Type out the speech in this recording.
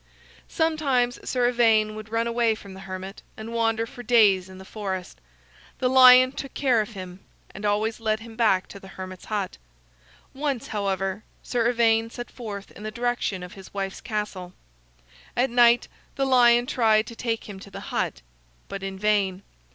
Sometimes Sir Ivaine would run away from the hermit and wander for days in the forest. The lion took care of him, and always led him back to the hermit's hut. Once, however, Sir Ivaine set forth in the direction of his wife's castle. At night the lion tried to take him to the hut, but in vain.